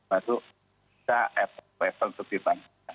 baru kita able to dipanggil